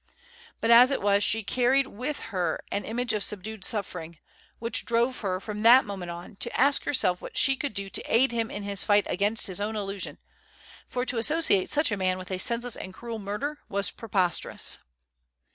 But as it was, she carried with her an image of subdued suffering, which drove her, from that moment on, to ask herself what she could do to aid him in his fight against his own illusion; for to associate such a man with a senseless and cruel murder was preposterous.